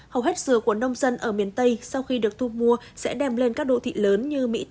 hầu hết dừa của nông dân ở miền tây sau khi được thu mua sẽ đem lên các đô thị lớn như mỹ